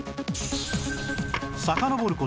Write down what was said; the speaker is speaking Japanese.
さかのぼる事